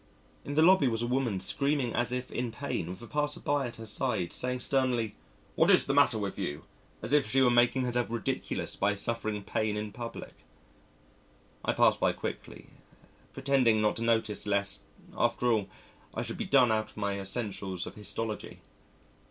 In the lobby was a woman screaming as if in pain, with a passer by at her side saying sternly, "What is the matter with you?" as if she were making herself ridiculous by suffering pain in public. I passed by quickly, pretending not to notice lest after all I should be done out of my _Essentials of Histology.